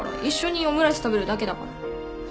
一緒にオムライス食べるだけだから。